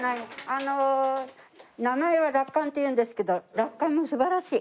あの名前は落款っていうんですけど落款も素晴らしい。